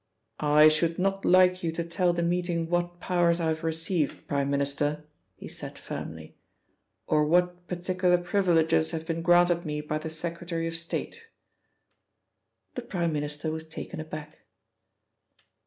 "I should not like you to tell the meeting what powers I have received, Prime Minister," he said firmly, "or what particular privileges have been granted me by the Secretary of State." The Prime Minister was taken aback.